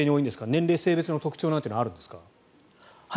年齢、性別の特徴というのはあるんですか？